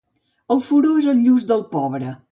El furó és el lluç del pobre.